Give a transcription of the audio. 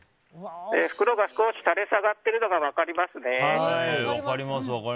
袋が少し垂れ下がっているのが分かりますね。